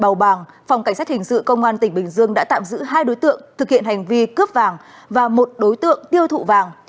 màu bàng phòng cảnh sát hình sự công an tỉnh bình dương đã tạm giữ hai đối tượng thực hiện hành vi cướp vàng và một đối tượng tiêu thụ vàng